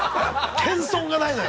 ◆謙遜がないのよ。